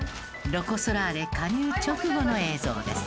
ロコ・ソラーレ加入直後の映像です。